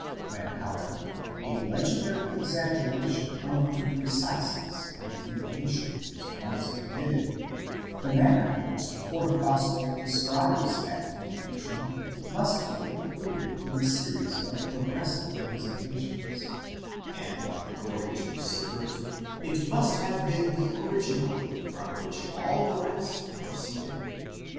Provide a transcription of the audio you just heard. When, however, a legendary exaggeration of the preciseness of the indication is once admitted, the manner in which the fourth gospel describes that indication must be in cluded in the series of progressive representations, and according to Sieffert, it must have been the original from which all the rest proceeded.